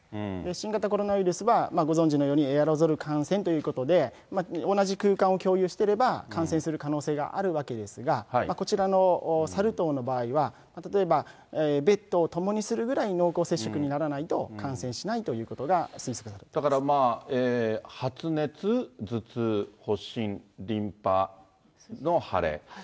新型コロナウイルスは、ご存じのようにエアロゾル感染ということで、同じ空間を共有してれば感染する可能性があるわけですが、こちらのサル痘の場合は、例えば、ベッドを共にするぐらい濃厚接触にならないと、感染しないというだからまあ、発熱、頭痛、発疹、リンパの腫れ。